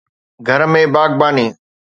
گهر ۾ باغباني